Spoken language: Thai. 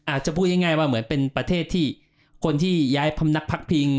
อาจจะพูดยังไงว่าเป็นประเทศที่คนที่ย้ายพรรมนักพักพิง